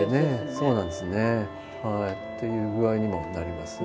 そうなんですね。という具合にもなりますね。